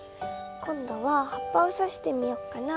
今度は葉っぱをさしてみよっかな。